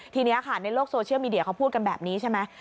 ทีนี้ค่ะในโลกโซเชียลมีเดียเขาพูดกันแบบนี้ใช่ไหม